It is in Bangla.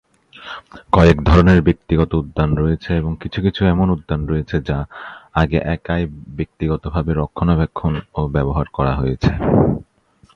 কয়েক ধরনের ব্যক্তিগত উদ্যান রয়েছে এবং কিছু কিছু এমন উদ্যান রয়েছে যা আগে একাই ব্যক্তিগতভাবে রক্ষণাবেক্ষণ ও ব্যবহার করা হয়েছে।